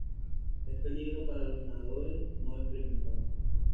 Es peligroso para los nadadores no experimentados.